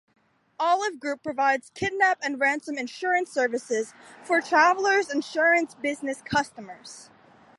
Olive Group provides Kidnap and Ransom insurance services for Traveler's Insurance' Business customers.